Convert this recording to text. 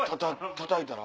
たたいたら？